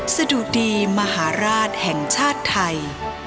สะดุดีมหาราชแห่งชาติไทย